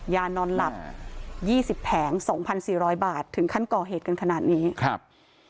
ยานอนหลับยี่สิบแผงสองพันสี่ร้อยบาทถึงขั้นก่อเหตุกันขนาดนี้ครับ